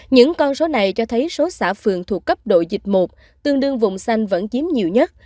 những con số này cho thấy số xã phường thuộc cấp độ dịch một tương đương vùng xanh vẫn chiếm nhiều nhất